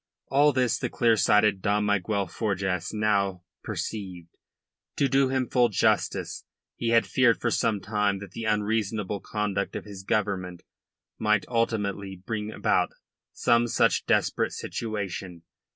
All this the clear sighted Dom Miguel Forjas now perceived. To do him full justice, he had feared for some time that the unreasonable conduct of his Government might ultimately bring about some such desperate situation.